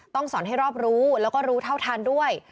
สอนให้รอบรู้แล้วก็รู้เท่าทันด้วย